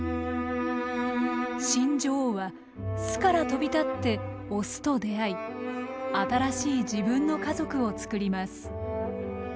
新女王は巣から飛び立ってオスと出会い新しい自分の家族を作ります。